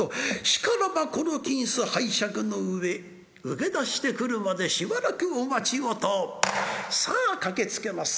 しからばこの金子拝借の上請け出してくるまでしばらくお待ちをとさあ駆けつけます。